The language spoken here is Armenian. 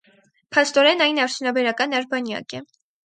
Փաստորեն այն արդյունաբերական արբանյակ է։